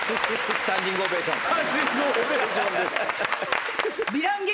スタンディングオベーションです。